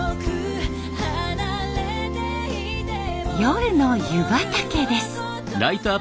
夜の湯畑です。